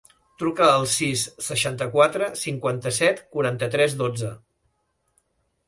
Truca al sis, seixanta-quatre, cinquanta-set, quaranta-tres, dotze.